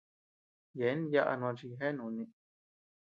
Yeabean yáʼa nochi jijéa nùni.